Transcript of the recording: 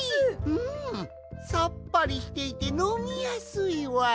うんさっぱりしていてのみやすいわい。